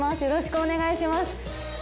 よろしくお願いします。